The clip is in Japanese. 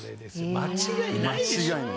間違いないです